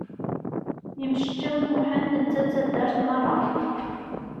Yemceččaw Muḥend netta d taddart merra!